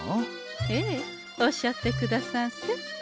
おっしゃってくださんせ。